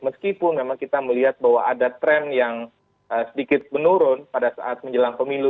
meskipun memang kita melihat bahwa ada tren yang sedikit menurun pada saat menjelang pemilu